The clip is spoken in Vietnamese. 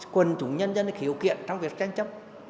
quần chúng nhân dân khiếu kiện trong việc tranh chấp